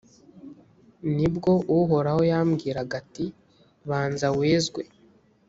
ni bwo uhoraho yambwiraga ati banza wezwe